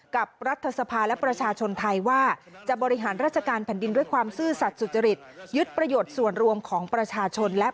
กับรัฐสภาและประชาชนไทยว่า